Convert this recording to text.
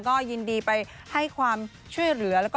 ในฐานะคนดังที่ทำประโยชน์เพื่อสังคม